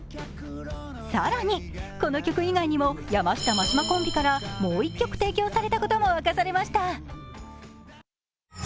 更にこの曲以外にも山下・真島コンビからもう一曲、提供されたことも明らかにしました。